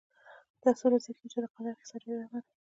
دا څو ورځې کېږي چې د قطر کیسه ډېره ګرمه ده.